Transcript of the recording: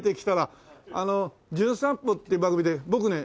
あの『じゅん散歩』っていう番組で僕ね